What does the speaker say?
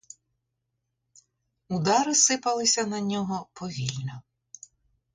Удари сипалися на нього повільно.